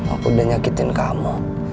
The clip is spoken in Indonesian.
aku udah nyakitin kamu